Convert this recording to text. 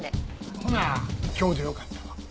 ほな今日でよかったわ。